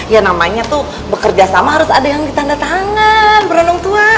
ya namanya tuh bekerja sama harus ada yang ditanda tangan berenang tua